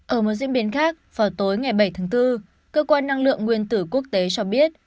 ở một diễn biến khác vào tối ngày bảy tháng bốn cơ quan năng lượng nguyên tử quốc tế cho biết